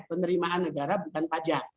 penerimaan negara bukan pajak